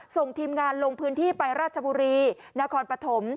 ส่งทีมงานลงพื้นที่ไปราชบุรีนครปฐม